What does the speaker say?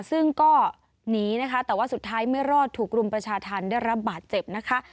ซึ่งก็หนีนะคะแต่ว่าสุดท้ายไม่รอดถูกรุมประชาธรรมได้รับบาดเจ็บนะคะ